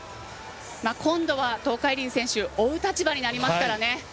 今度は、東海林選手追う立場になりますからね。